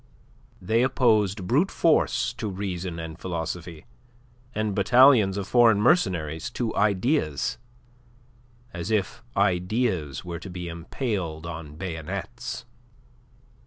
They opposed brute force to reason and philosophy, and battalions of foreign mercenaries to ideas. As if ideas were to be impaled on bayonets!